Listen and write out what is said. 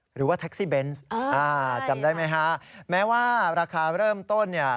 หรือว่าแท็กซี่เบนส์อ่าจำได้ไหมฮะแม้ว่าราคาเริ่มต้นเนี่ย